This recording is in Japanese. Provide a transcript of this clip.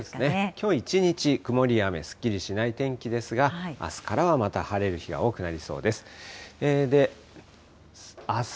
きょう一日、曇りや雨、すっきりしない天気ですが、あすからはまた晴れる日が多くなりそうです。